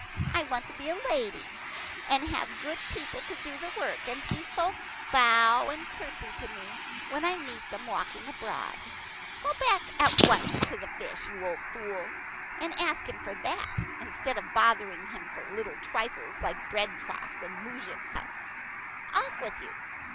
I want to be a lady, and have good people to do the work, and see folk bow and curtsy to me when I meet them walking abroad. Go back at once to the fish, you old fool, and ask him for that, instead of bothering him for little trifles like bread troughs and moujiks' huts. Off with you."